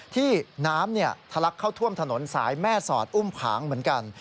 ที่น้ำทะลักเข้าท่วมถนนสายแม่สอดอุ้มผางเหมือนกัน